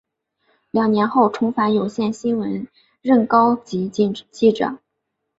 两年后重返有线新闻任高级记者。